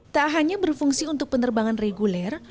tak hanya berfungsi untuk penerbangan reguler